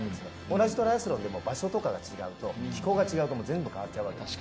同じトライアスロンでも場所や気候が違うと全部変わっちゃうわけです。